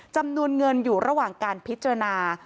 จำนวนเงินอยู่ระหว่างการพิจารณา